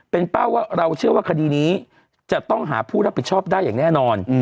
เป็นเป้าว่าเราเชื่อว่าคดีนี้จะต้องหาผู้รับผิดชอบได้อย่างแน่นอน